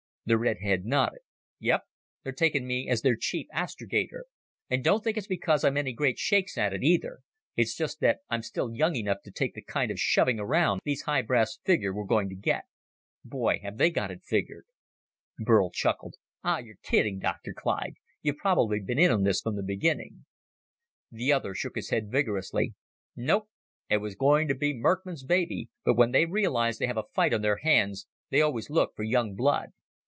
The redhead nodded. "Yep. They're taking me as their chief astrogator. And don't think it's because I'm any great shakes at it, either! It's just that I'm still young enough to take the kind of shoving around these high brass figure we're going to get. Boy, have they got it figured!" Burl chuckled. "Ah, you're kidding, Dr. Clyde. You've probably been in on this from the beginning." The other shook his head vigorously. "Nope. It was going to be Merckmann's baby, but when they realize they have a fight on their hands, they always look for young blood.